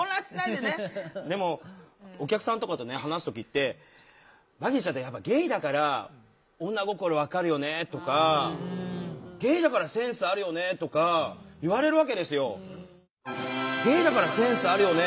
でもお客さんとかと話す時って「バギーちゃんってやっぱゲイだから女心分かるよね」とか「ゲイだからセンスあるよね」とか言われるわけですよ。